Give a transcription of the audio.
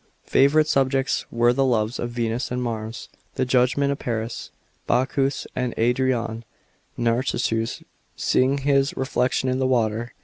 Favourite subjects were the loves of Venus and Mars, tlie judgment of Varis, Bacchus and Ariadne, Narcissus seeing his re flection in the water.